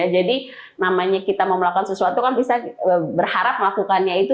jadi namanya kita mau melakukan sesuatu kan bisa berharap melakukannya itu